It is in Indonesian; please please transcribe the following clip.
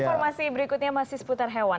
informasi berikutnya masih seputar hewan